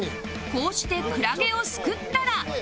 こうしてクラゲをすくったら